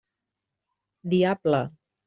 Diable!